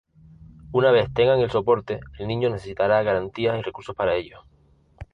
Una vez tengan el soporte el niño necesitará garantías y recursos para ello.